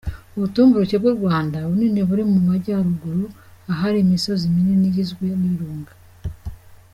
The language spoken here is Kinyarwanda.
Ubutumburuke bw’u Rwanda bunini buri mu Majyaruguru ahari imisozi minini igizwe n’ibirunga.